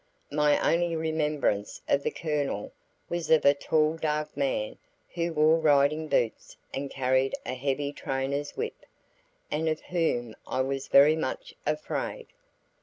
My only remembrance of the Colonel was of a tall dark man who wore riding boots and carried a heavy trainer's whip, and of whom I was very much afraid.